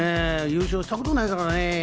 優勝したことないですからね。